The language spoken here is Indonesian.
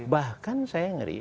bahkan saya ngeri